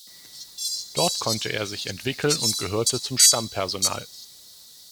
Dort konnte er sich entwickeln und gehörte zum Stammpersonal.